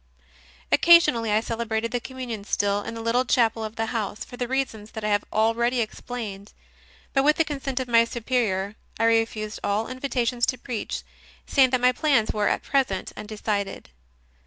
Occasionally I celebrated the Com munion still in the little chapel of the house, for the reasons that I have already explained; but, with the consent of my Superior, I refused all invitations to preach, saying that my plans were at present undecided.